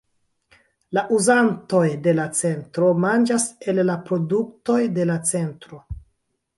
La uzantoj de la centro manĝas el la produktoj de la centro.